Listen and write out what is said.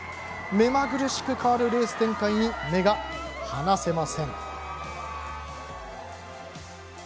めまぐるしく変わるレース展開に目が離せません。